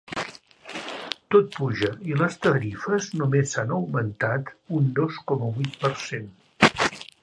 Tot puja i les tarifes només s’han augmentat un dos coma vuit per cent.